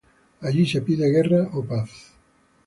Allí se pide guerra o paz.